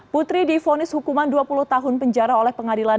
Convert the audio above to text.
putri difonis hukuman dua puluh tahun penjara oleh pengadilan